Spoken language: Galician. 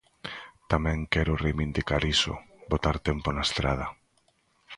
Tamén quero reivindicar iso, botar tempo na estrada.